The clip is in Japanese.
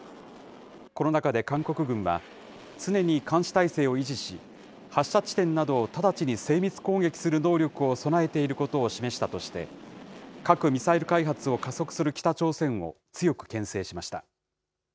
この中で韓国軍は、常に監視態勢を維持し、発射地点などを直ちに精密攻撃する能力を備えていることを示したとして、核・ミサイル開発を加速する北朝鮮を強くけん制しました。